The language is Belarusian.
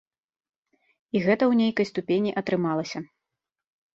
І гэта ў нейкай ступені атрымалася.